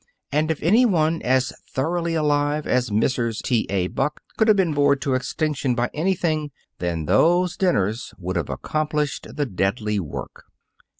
And if any one as thoroughly alive as Mrs. T. A. Buck could have been bored to extinction by anything, then those dinners would have accomplished the deadly work.